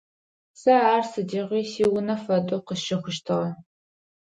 Сэ ар сыдигъуи сиунэ фэдэу къысщыхъущтыгъэ.